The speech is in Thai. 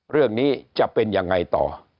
เรื่องนี้จะเป็นยังไงต่อ